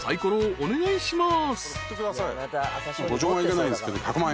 お願いします。